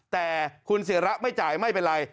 แต่คุณศิระไม่จ่ายไม่เป็นไร